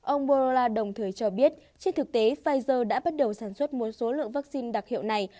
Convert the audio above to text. ông borola đồng thời cho biết trên thực tế pfizer đã bắt đầu sản xuất một số lượng vaccine đặc hiệu này